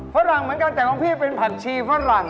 ฝรั่งเหมือนกันแต่ของพี่เป็นผักชีฝรั่ง